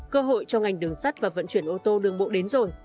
cơ hội cho ngành đường sắt và vận chuyển ô tô đường bộ đến rồi